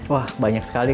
wah banyak sekali